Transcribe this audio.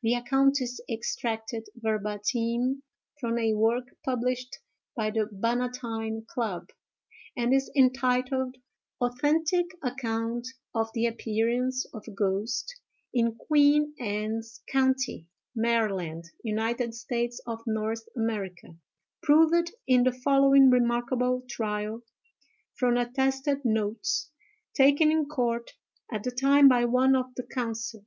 The account is extracted verbatim from a work published by the Bannatyne Club, and is entitled, "Authentic Account of the Appearance of a Ghost in Queen Ann's County, Maryland, United States of North America, proved in the following remarkable trial, from attested notes taken in court at the time by one of the counsel."